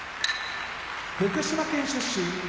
福島県出身